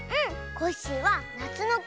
コッシーはなつのき。